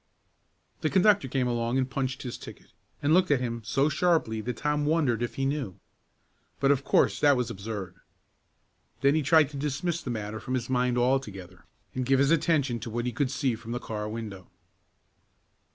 The conductor came along and punched his ticket, and looked at him so sharply that Tom wondered if he knew. But of course that was absurd. Then he tried to dismiss the matter from his mind altogether, and give his attention to what he could see from the car window.